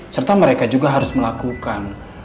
serta mereka juga harus melakukan